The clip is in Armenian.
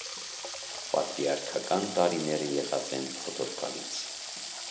Պատրիարքական տարիները եղած են փոթորկալից։